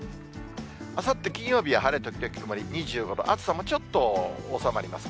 あさって金曜日は晴れ時々曇り、２５度、暑さもちょっと収まります。